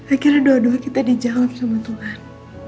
akhirnya dua dua kita dijawab sama tuhan